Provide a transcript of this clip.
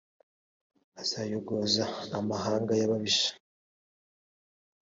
azayogoza amahanga y’ababisha.